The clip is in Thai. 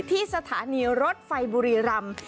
ที่สถานีรถไฟบุรีรำ